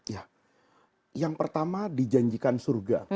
ya yang pertama dijanjikan surga